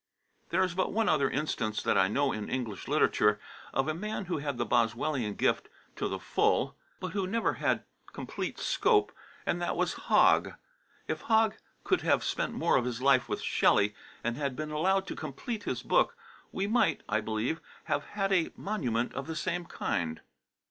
There is but one other instance that I know in English literature of a man who had the Boswellian gift to the full, but who never had complete scope, and that was Hogg. If Hogg could have spent more of his life with Shelley, and had been allowed to complete his book, we might, I believe, have had a monument of the same kind.